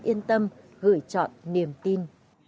đừng yên tâm gửi chọn niềm tin